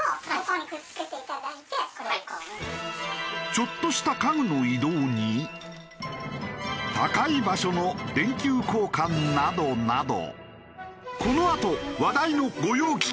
ちょっとした家具の移動に高い場所の電球交換などなど。